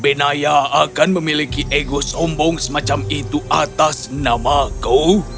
benaya akan memiliki ego sombong semacam itu atas namaku